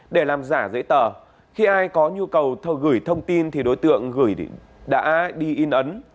để làm giả giấy tờ khi ai có nhu cầu gửi thông tin thì đối tượng gửi đã đi in ấn